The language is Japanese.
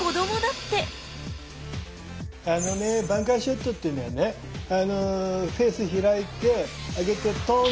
あのねバンカーショットっていうのはねあのフェース開いて上げてトーン。